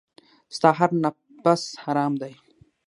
ستا هر نفس حرام دی .